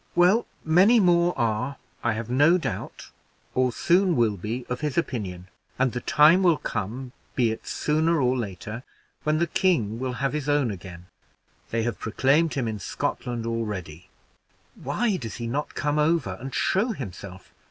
"Well, many more are, I have no doubt, or soon will be, of his opinion; and the time will come, be it sooner or later, when the king will have his own again. They have proclaimed him in Scotland already. Why does he not come over and show himself?